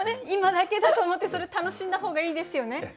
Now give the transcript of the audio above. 今だけだと思ってそれ楽しんだ方がいいですよね。